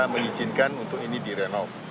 meizinkan untuk ini direnov